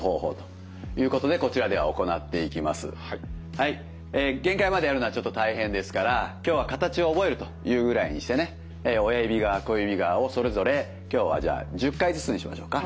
はい限界までやるのはちょっと大変ですから今日は形を覚えるというぐらいにしてね親指側小指側をそれぞれ今日はじゃあ１０回ずつにしましょうか。